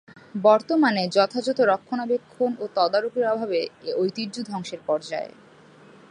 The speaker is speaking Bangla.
বর্তমানে যথাযথ রক্ষণাবেক্ষণ ও তদারকির অভাবে এ ঐতিহ্য ধ্বংসের পর্যায়ে।